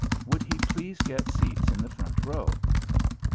Would he please get seats in the front row?